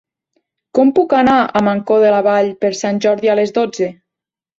Com puc anar a Mancor de la Vall per Sant Jordi a les dotze?